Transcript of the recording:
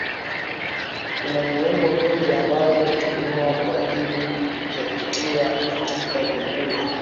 Kuna viungo vingi ambavyo hutumiwa kwa ajili ya kutia katika vyakula